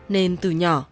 nên từ nhỏ